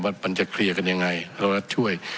มันจะเคลียร์กันยังไงเรารัฐช่วย